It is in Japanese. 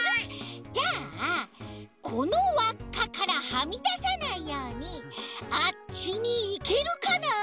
じゃあこのわっかからはみださないようにあっちにいけるかな？